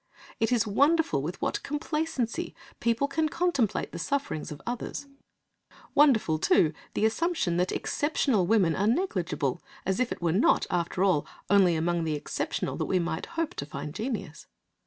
It is wonderful with what complacency people can contemplate the sufferings of others; wonderful, too, the assumption that "exceptional" women are negligible, as if it were not, after all, only among the exceptional that we might hope to find genius.